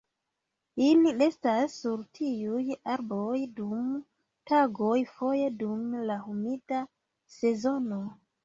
Ili restas sur tiuj arboj dum tagoj foje dum la humida sezono.